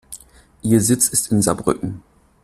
Ihr Sitz ist in Saarbrücken.